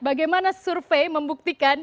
bagaimana survei membuktikan